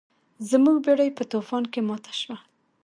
زموږ بیړۍ په طوفان کې ماته شوه.